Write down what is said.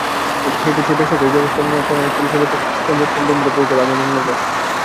এটি সেই দেশের বেসরকারি ব্যবস্থাপনায় পরিচালিত কৃষ্ণপত্তম বন্দরে পৌঁছাবে আগামী মঙ্গলবার।